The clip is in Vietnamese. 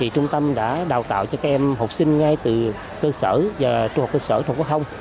trung tâm đã đào tạo cho các em học sinh ngay từ cơ sở và trung học cơ sở trung học phổ thông